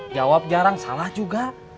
jawab jarang salah juga